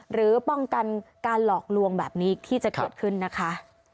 หรือป้องกันการหลอกลวงแบบนี้ที่จะเกิดขึ้นนะคะ